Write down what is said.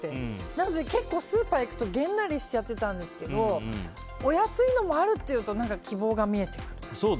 だから結構スーパーに行くとげんなりしちゃってたんですけどお安いのもあるっていうと何か、希望が見えてくるなって。